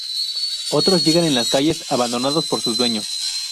Otros llegan en las calles abandonados por sus dueños.